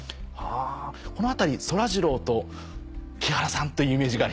このあたりそらジローと木原さんというイメージがあります。